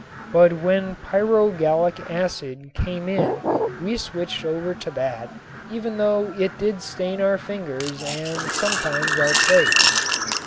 But when pyrogallic acid came in we switched over to that even though it did stain our fingers and sometimes our plates.